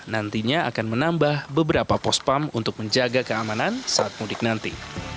nantinya akan menambah beberapa pospam untuk menjaga keamanan saat mudik nanti